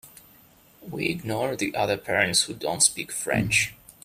We ignore the other parents who don’t speak French.